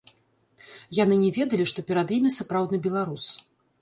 Яны не ведалі, што перад імі сапраўдны беларус.